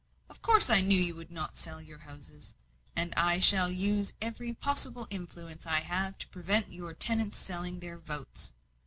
"Of course I knew you would not sell your houses; and I shall use every possible influence I have to prevent your tenants selling their votes.